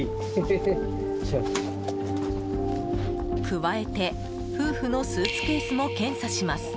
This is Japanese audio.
加えて夫婦のスーツケースも検査します。